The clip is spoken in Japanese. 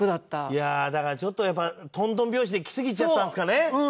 いやあだからちょっとやっぱトントン拍子できすぎちゃったんですかね。